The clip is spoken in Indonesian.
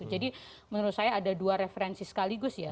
jadi menurut saya ada dua referensi sekaligus ya